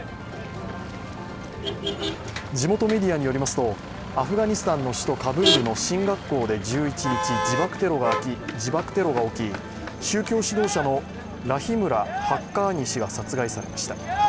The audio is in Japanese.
地元メディアによりますとアフガニスタンの首都カブールで１１日、自爆テロが起き、宗教指導者のラヒムラ・ハッカーニ師が殺害されました。